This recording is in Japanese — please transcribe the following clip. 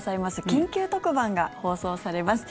緊急特番が放送されます。